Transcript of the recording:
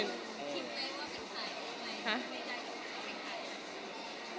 คิดเลยว่าเป็นใคร